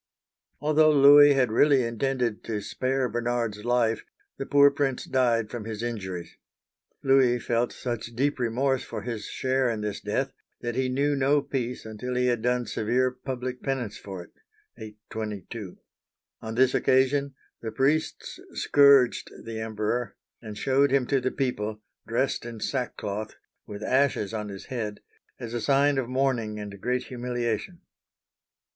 Although Louis had really intended to spare Bernard's life, the poor prince died from his injuries. Louis felt such deep remorse for his share in this death, that he knew no peace until he had done severe public penance for it (822). On this occasion the priests scourged the Emperor, and showed him to the people, dressed in sackcloth, with ashes on his head, as a sign of mourning and great humiliation.